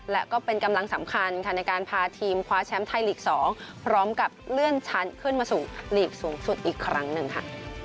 และก็เป็นกำลังสำคัญค่ะในการพาทีมคว้าแชมป์ไทยลีก๒พร้อมกับเลื่อนชั้นขึ้นมาสู่ลีกสูงสุดอีกครั้งหนึ่งค่ะ